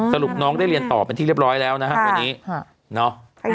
สรุปน้องได้เรียนต่อเป็นที่เรียบร้อยแล้วนะฮะวันนี้เนาะ